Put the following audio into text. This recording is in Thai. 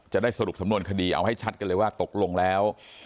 จะได้สรุปสำนวนคดีเอาให้ชัดกันเลยว่าตกลงแล้ว